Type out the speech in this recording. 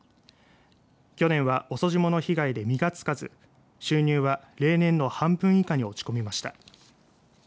去年は遅霜の被害で実がつかず収入は例年の半分以下に落ち込みました。